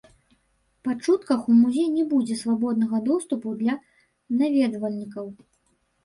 Па чутках у музей не будзе свабоднага доступу для наведвальнікаў.